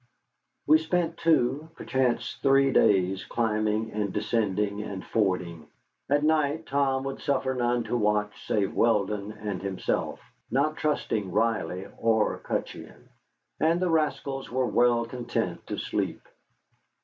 We spent two, perchance three, days climbing and descending and fording. At night Tom would suffer none to watch save Weldon and himself, not trusting Riley or Cutcheon. And the rascals were well content to sleep.